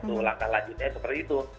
apakah lanjutnya seperti itu